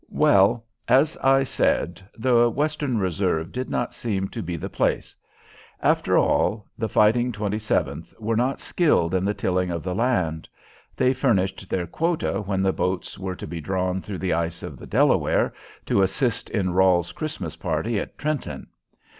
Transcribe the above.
Well! as I said, the Western Reserve did not seem to be the place. After all, "the Fighting Twenty seventh" were not skilled in the tilling of the land. They furnished their quota when the boats were to be drawn through the ice of the Delaware, to assist in Rahl's Christmas party at Trenton.